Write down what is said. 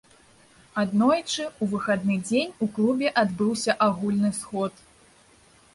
Аднойчы, у выхадны дзень, у клубе адбыўся агульны сход.